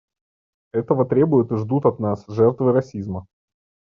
Этого требуют и ждут от нас жертвы расизма.